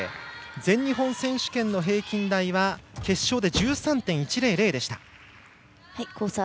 全日本選手権の平均台は決勝で１３．１００でした。